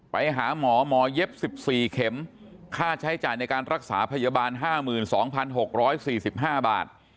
ไปหาหมอหมอเย็บ๑๔เข็มค่าใช้จ่ายในการรักษาพยาบาล๕๒๖๔๕บาท